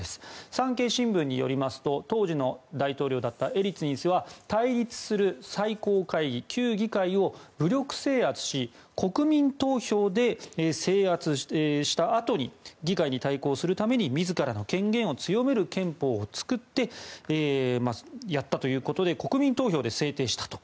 産経新聞によりますと当時の大統領だったエリツィン氏は対立する最高会議、旧議会を武力制圧し国民投票で制圧したあとに議会に対抗するために自らの権限を強める憲法を作ってやったということで国民投票で制定したと。